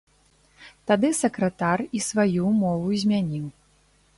Тады сакратар і сваю мову змяніў.